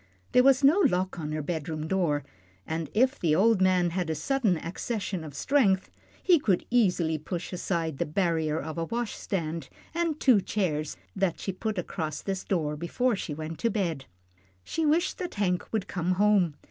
There was no lock on her bedroom door, and if the old man had a sudden accession of strength, he could easily push aside the barrier of a wash stand and two chairs that she put across this door before she went to bed. She wished that Hank would come home.